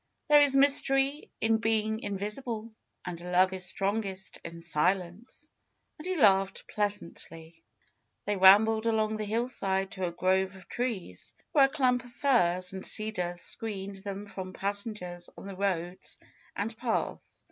There is mystery in being invis ible. And love is strongest in silence," and he laughed pleasantly. They rambled along the hillside to a grove of trees, where a clump of firs and cedars screened them from passengers on the roads and paths.